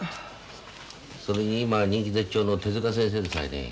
それに今人気絶頂の手先生でさえね